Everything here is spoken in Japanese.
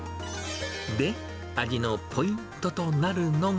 で、味のポイントとなるのが。